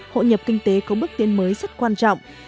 hội nhập kinh tế có bước tiến mới rất quan trọng